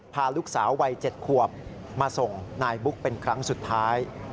พาลูกสาววัย๗ขวบมาส่งนายบุ๊กเป็นครั้งสุดท้าย